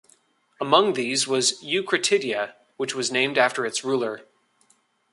Among these was Eucratidia, which was named after its ruler.